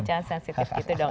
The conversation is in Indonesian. cang sensitif gitu dong